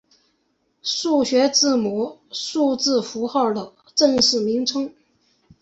数学字母数字符号的正式名称。